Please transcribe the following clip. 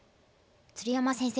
鶴山先生